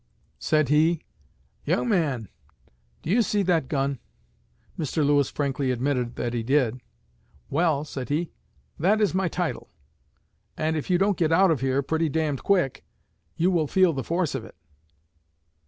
Said he, 'Young man, do you see that gun?' Mr. Lewis frankly admitted that he did. 'Well,' said he, 'that is my title, and if you don't get out of here pretty d d quick you will feel the force of it.'